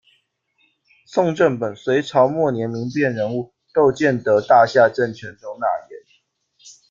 宋正本，隋朝末年民变人物，窦建德大夏政权中纳言。